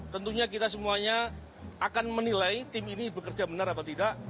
tentunya kita semuanya akan menilai tim ini bekerja benar atau tidak